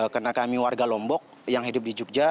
karena kami warga lombok yang hidup di jogja